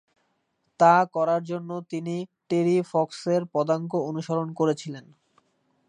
তা করার জন্য তিনি টেরি ফক্সের পদাঙ্ক অনুসরণ করেছিলেন।